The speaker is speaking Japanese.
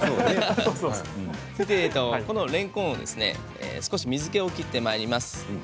れんこんの水けを切ってまいります。